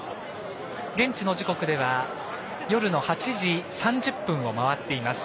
現地の時刻では夜の８時３０分を回っています。